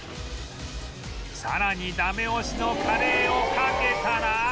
さらにダメ押しのカレーをかけたら